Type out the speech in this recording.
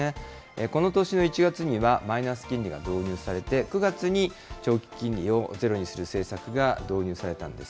この年の１月にはマイナス金利が導入されて、９月に長期金利をゼロにする政策が導入されたんです。